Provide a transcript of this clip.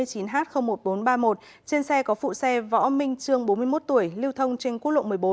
bốn mươi chín h một nghìn bốn trăm ba mươi một trên xe có phụ xe võ minh trương bốn mươi một tuổi lưu thông trên khuôn lộ một mươi bốn